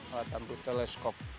alat bantu teleskop